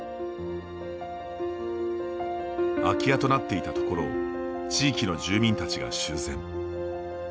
空き家となっていたところを地域の住民たちが修繕。